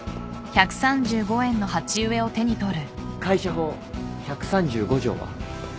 会社法１３５条は？